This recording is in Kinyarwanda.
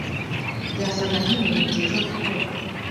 Byasaga nkibintu byiza gukora.